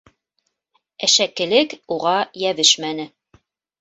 Әшәкелек уға йәбешмәне.